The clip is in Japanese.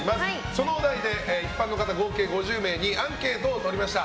そのお題で一般の方合計５０名にアンケートを取りました。